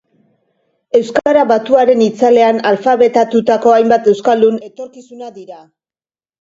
Euskara batuaren itzalean alfabetatutako hainbat euskaldun etorkizuna dira.